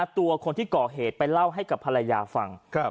ตัวคนที่เกาะเหตุไปเล่าให้ปริพีภรรยาฝั่ง